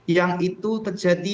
yang itu terjadi